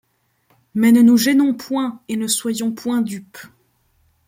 Mais ne nous gênons point et ne soyons point dupes.